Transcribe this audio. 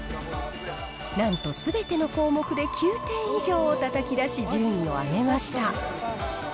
なんとすべての項目で９点以上をたたき出し、順位を上げました。